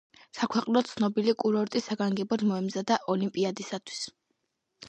საქვეყნოდ ცნობილი კურორტი საგანგებოდ მოემზადა ოლიმპიადისათვის.